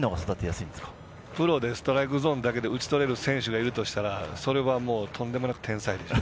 プロでストライクゾーンだけで打ち取れる選手がいるとしたらとんでもなく天才でしょう。